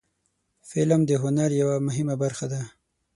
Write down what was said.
فلم د هنر یوه مهمه برخه ده